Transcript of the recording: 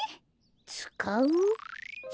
つかう？